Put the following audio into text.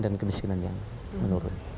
dan kemiskinan yang menurun